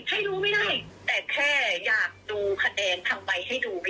ให้รู้ไม่ได้แต่แค่อยากดูคะแนนคำใบให้ดู